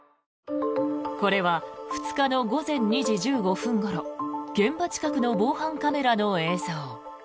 これは２日の午前２時１５分ごろ現場近くの防犯カメラの映像。